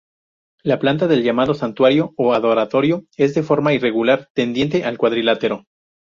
La planta del llamado santuario o adoratorio es de forma irregular tendiente al cuadrilátero.